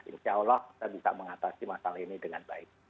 insya allah kita bisa mengatasi masalah ini dengan baik